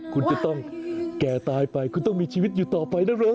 คุณจะต้องแก่ตายไปคุณต้องมีชีวิตอยู่ต่อไปนะลูก